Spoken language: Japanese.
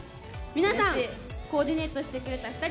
皆さんコーディネートしてくれた２人